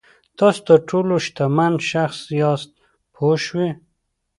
تاسو تر ټولو شتمن شخص یاست پوه شوې!.